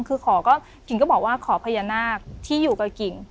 กิ่งก็บอกว่าขอพญานาศที่อยู่กับกิ่ง